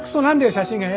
写真が。